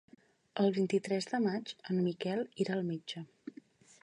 El vint-i-tres de maig en Miquel irà al metge.